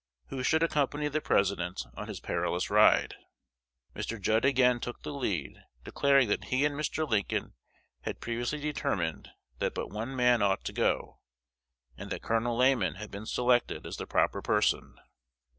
Who should accompany the President on his perilous ride? Mr. Judd again took the lead, declaring that he and Mr. Lincoln had previously determined that but one man ought to go, and that Col. Lamon had been selected as the proper person.